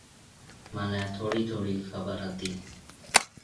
مھنيَ ٿوڙِي ٿوڙِي خبر ھتِي۔